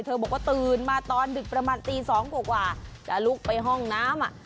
บอกว่าตื่นมาตอนดึกประมาณตี๒กว่าจะลุกไปห้องน้ำ